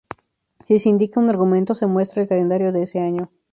Si se indica un argumento, se muestra el calendario de ese año.